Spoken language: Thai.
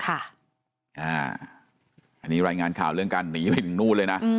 อันนี้รายงานข่าวเรื่องการหนีไปถึงนู่นเลยนะ